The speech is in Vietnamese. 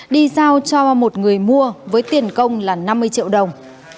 đi giao cho một người mua với tiền công là năm mươi triệu đồng